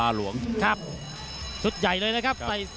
อ่าหมดยกสี่